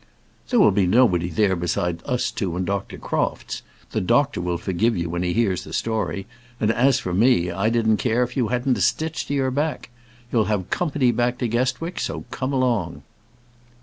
"There will be nobody there beside us two and Dr. Crofts. The doctor will forgive you when he hears the story; and as for me, I didn't care if you hadn't a stitch to your back. You'll have company back to Guestwick, so come along."